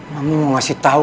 mama mau ngasih tau